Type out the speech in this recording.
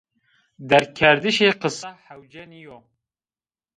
Dergkerdişê qisa hewce nîyo.